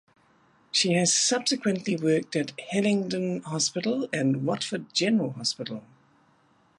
She has subsequently worked at Hillingdon Hospital and Watford General Hospital.